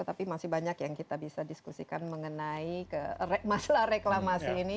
tapi masih banyak yang kita bisa diskusikan mengenai masalah reklamasi ini